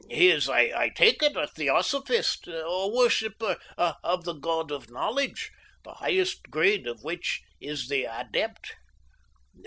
He is, I take it, a theosophist, or worshipper of the God of knowledge, the highest grade of which is the adept.